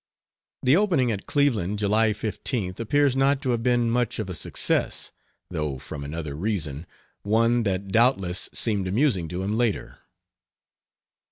The opening at Cleveland July 15th appears not to have been much of a success, though from another reason, one that doubtless seemed amusing to him later.